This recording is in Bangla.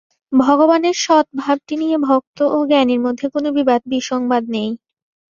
ভগবানের সৎ-ভাবটি নিয়ে ভক্ত ও জ্ঞানীর মধ্যে কোন বিবাদ-বিসংবাদ নেই।